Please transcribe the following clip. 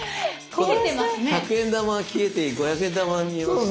１００円玉が消えて５００円玉が見えます。